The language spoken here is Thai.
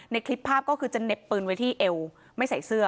ในคลิปภาพก็คือจะเน็บปืนไว้ที่เอวไม่ใส่เสื้อ